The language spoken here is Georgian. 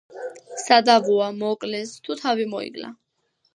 სადავოა, მოკლეს, თუ თავი მოიკლა.